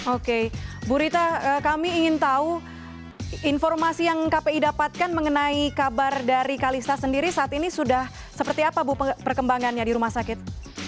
oke bu rita kami ingin tahu informasi yang kpi dapatkan mengenai kabar dari kalista sendiri saat ini sudah seperti apa bu perkembangannya di rumah sakit